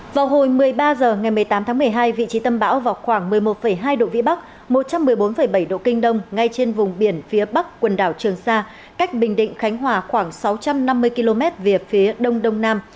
vào hồi một mươi ba h ngày một mươi tám tháng một mươi hai vị trí tâm bão vào khoảng một mươi một hai độ vĩ bắc một trăm một mươi bốn bảy độ kinh đông ngay trên vùng biển phía bắc quần đảo trường sa cách bình định khánh hòa khoảng sáu trăm năm mươi km về phía đông đông nam